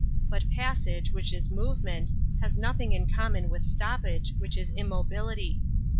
But passage, which is movement, has nothing in common with stoppage, which is immobility.